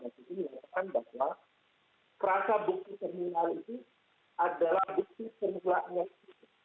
yang dikatakan bahwa perasaan bukti terminal itu adalah bukti semula inek